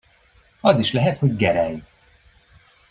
Az is lehet, hogy gerely.